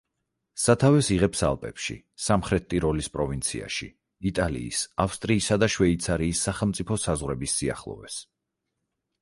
სათავეს იღებს ალპებში, სამხრეთ ტიროლის პროვინციაში, იტალიის, ავსტრიისა და შვეიცარიის სახელმწიფო საზღვრების სიახლოვეს.